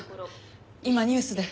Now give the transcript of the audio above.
今ニュースで。